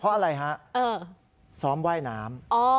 เพราะอะไรฮะซ้อมว่ายน้ำ